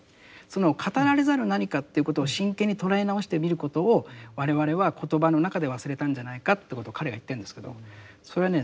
その語られざる何かということを真剣に捉え直してみることを我々は言葉の中で忘れたんじゃないかということを彼が言ってるんですけどそれはね